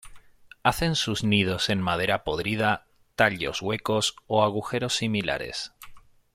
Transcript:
Hacen sus nidos en madera podrida, tallos huecos o agujeros similares.